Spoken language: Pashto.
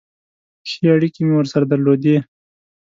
ښې اړیکې مې ورسره درلودې.